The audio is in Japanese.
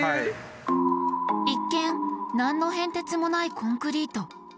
一見なんの変哲もないコンクリート。